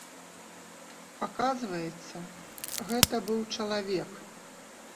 Аказваецца, гэта быў чалавек.